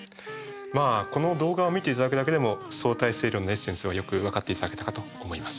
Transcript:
まあこの動画を見て頂くだけでも相対性理論のエッセンスがよくわかって頂けたかと思います。